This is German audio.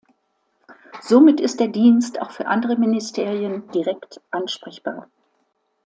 Somit ist der Dienst auch für andere Ministerien direkt ansprechbar.